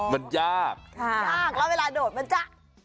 มันยากยากแล้วเวลาโดดมันจะ